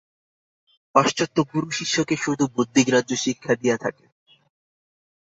পাশ্চাত্য গুরু শিষ্যকে শুধু বুদ্ধিগ্রাহ্য শিক্ষা দিয়া থাকেন।